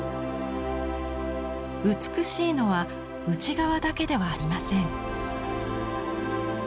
美しいのは内側だけではありません。